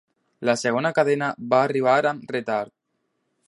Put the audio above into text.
La segona cadena va arribar amb retard.